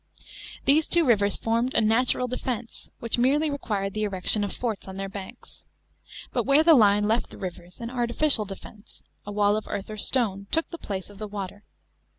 These two rivers formed a natural defence, which merely required the erection of forts on their banks. But where the line left the rivers, an artificial defence — a wall of earth or stone — took the place of the water.